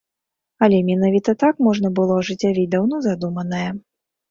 Але менавіта так можна было ажыццявіць даўно задуманае.